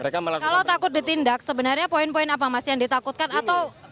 kalau takut ditindak sebenarnya poin poin apa mas yang ditakutkan atau dirasa memberatkan gitu